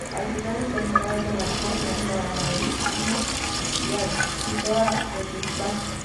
Al final de temporada le marcó al Marítimo y al Vitória Setúbal.